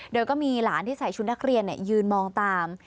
โดยก็มีหลานที่ใส่ชุดนักเรียนยืนมองตาม